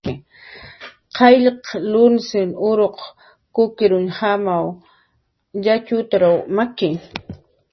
Qayllaq lunis uruq kukirñujamaw yatxutar maki